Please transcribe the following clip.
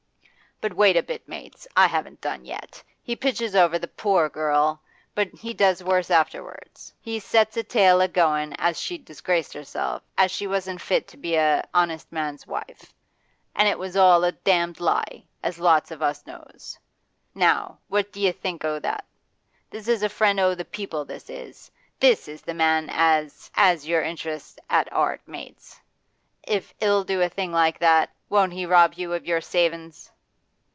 'But wait a bit, maties; I haven't done yet. He pitches over the pore girl, but he does worse afterwards. He sets a tale a goin' as she'd disgraced herself, as she wasn't fit to be a honest man's wife. An' it was all a damned lie, as lots of us knows. Now what d'ye think o' that! This is a friend o' the People, this is! This is the man as 'as your interests at 'art, mates! If he'll do a thing like that, won't he rob you of your savin's?